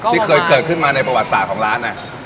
ที่เคยเกิดขึ้นมาในประวัติศาสตร์ของร้านนะ